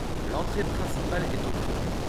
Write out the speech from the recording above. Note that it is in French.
L’entrée principale est au fond.